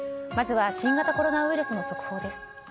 まずは新型コロナウイルスの速報です。